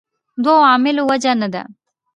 دوو عاملو وجه نه ده.